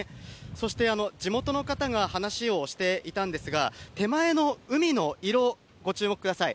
そして地元の方が話をしていたんですが、手前の海の色、ご注目ください。